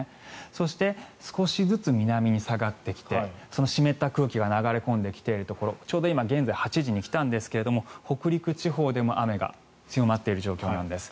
そして少しずつ南に下がってきて湿った空気が流れ込んできているところちょうど今現在８時に来たんですが北陸地方でも雨が強まっている状況なんです。